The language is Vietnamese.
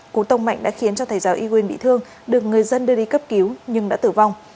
cú tông mạnh đã khiến cho thầy giáo y nguyên bị thương được người dân đưa đi cấp cứu nhưng đã tử vong